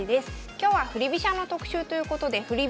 今日は振り飛車の特集ということで振り